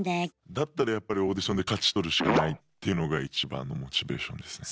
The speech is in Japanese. だったらやっぱりオーディションで勝ち取るしかないっていうのが一番のモチベーションですね。